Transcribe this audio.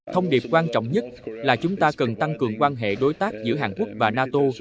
thông điệp quan trọng nhất là chúng ta cần tăng cường quan hệ đối tác giữa hàn quốc và nato